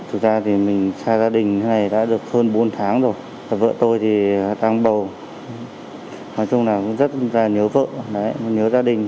thực ra thì mình xa gia đình này đã được hơn bốn tháng rồi vợ tôi thì đang bầu nói chung là cũng rất là nhớ vợ nhớ gia đình